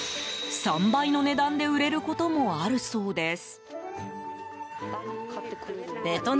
３倍の値段で売れることもあるそうです。